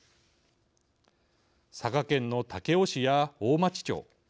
佐賀県の武雄市や大町町